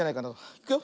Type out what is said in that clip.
いくよ。